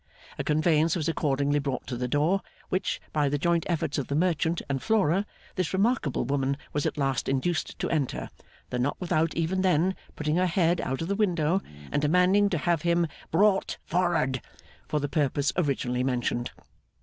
A conveyance was accordingly brought to the door, which, by the joint efforts of the merchant and Flora, this remarkable woman was at last induced to enter; though not without even then putting her head out of the window, and demanding to have him 'brought for'ard' for the purpose originally mentioned.